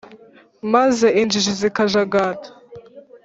maze injiji zikajagata